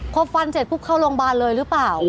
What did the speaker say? พอฟันเสร็จปุ๊บเข้าโรงบานเลยหรือบ้าว